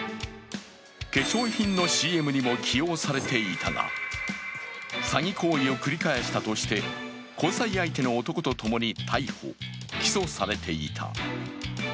化粧品のＣＭにも起用されていたが、詐欺行為を繰り返したとして交際相手の男とともに逮捕・起訴されていた。